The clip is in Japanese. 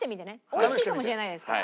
美味しいかもしれないですから。